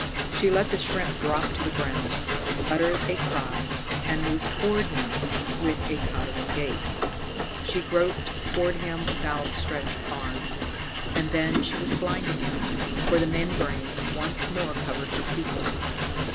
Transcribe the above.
She let the shrimp drop to the ground, uttered a cry, and moved toward him with a tottering gait. She groped toward him with outstretched arms. And then she was blind again, for the membrane once more covered her pupils.